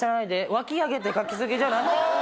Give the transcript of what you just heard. わき上げてかきすぎじゃない？